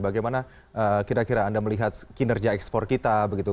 bagaimana kira kira anda melihat kinerja ekspor kita begitu